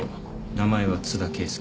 名前は津田圭祐